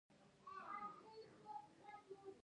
د پکتیکا په کټواز کې د څه شي نښې دي؟